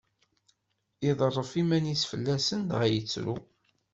Iḍerref iman-is fell-asen dɣa yettru.